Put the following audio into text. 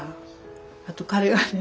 あと彼がね